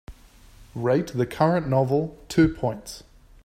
Rate the current novel two points